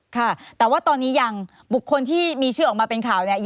ค่ะแต่ว่าตอนนี้ยังบุคคลที่มีชื่อออกมาเป็นข่าวเนี่ย